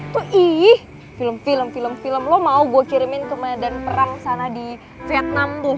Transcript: tuh ii film film film lo mau gue kirimin ke medan perang sana di vietnam tuh